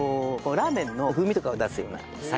ラーメンの風味とかを出すような作用があります。